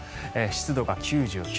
湿度が９９％。